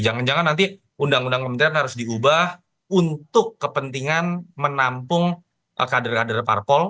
jangan jangan nanti undang undang kementerian harus diubah untuk kepentingan menampung kader kader parpol